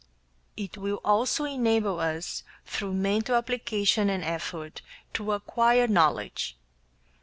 It will also enable us, through mental application and effort, to acquire knowledge.